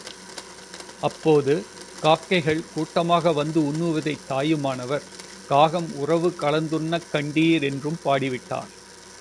அப்போது காக்கைகள் கூட்டமாக வந்து உண்ணுவதைத் தாயுமானவர், காகம் உறவு கலந்துண்ணக் கண்டீர் என்றும் பாடிவிட்டார்.